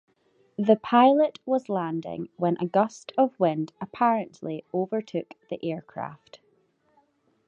The pilot was landing when a gust of wind apparently overtook the aircraft.